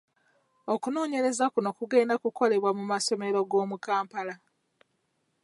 Okunoonyereza kuno kugenda kukolebwa mu masomero g'omu Kampala